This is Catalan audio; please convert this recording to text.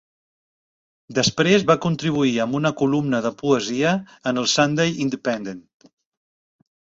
Després va contribuir amb una columna de poesia en el Sunday Independent.